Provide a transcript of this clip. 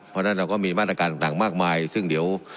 เพราะฉะนั้นเราก็มีมาตรการต่างมากมายซึ่งเดี๋ยว